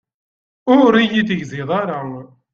Ur iyi-tegzid ara.